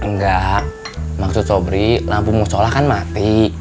enggak maksud sobri lampu mushollah kan mati